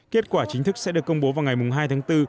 kết quả chính thức sẽ được công bố vào ngày hai tháng bốn